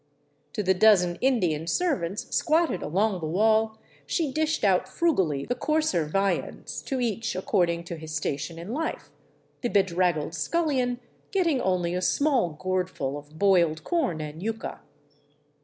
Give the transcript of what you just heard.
To the dozen Indian servants squatted along the wall she dished out frugally the coarser viands, to each according to his station in life, the bedraggled scullion getting only a small gourdful of boiled corn and yuca.